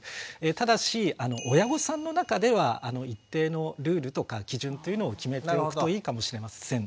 ただし親御さんの中では一定のルールとか基準というのを決めておくといいかもしれません。